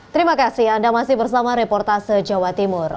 terima kasih anda masih bersama reportase jawa timur